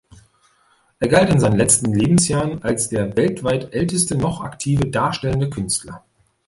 Er galt in seinen letzten Lebensjahren als der weltweit älteste noch aktive darstellende Künstler.